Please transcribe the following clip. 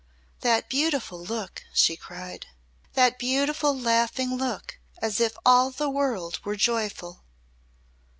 "That beautiful look!" she cried. "That beautiful laughing look as if all the world were joyful!"